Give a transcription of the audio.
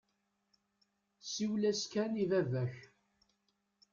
Siwel-as-d kan i baba-k.